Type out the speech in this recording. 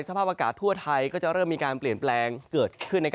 สภาพอากาศทั่วไทยก็จะเริ่มมีการเปลี่ยนแปลงเกิดขึ้น